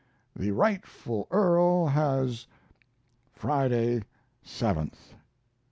The rightful earl has Friday, 7th.